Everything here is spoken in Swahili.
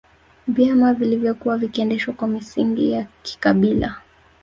Vyama vilivyokuwa vikiendeshwa kwa misingi ya kikabila